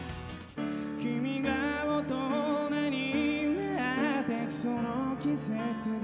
「君が大人になってくその季節が」